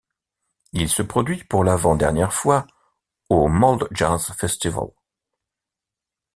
Il se produit pour l'avant-dernière fois en au Molde Jazz Festival.